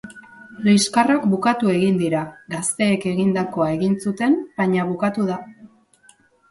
Liskarrak bukatu egin dira, gazteek egindakoa egin zuten, baina bukatu da.